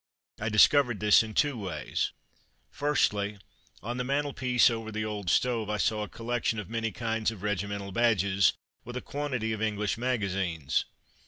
I discovered this in two ways. Firstly: On the mantelpiece over the old stove I saw a collection of many kinds of regimental badges, with a quantity of English magazines.